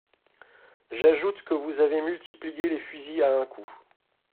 J’ajoute que vous avez multiplié les fusils à un coup.